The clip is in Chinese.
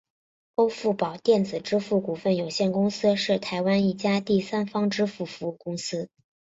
欧付宝电子支付股份有限公司是台湾一家第三方支付服务公司。